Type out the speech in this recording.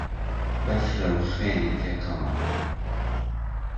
بهفره و خوێنی تێکهڵه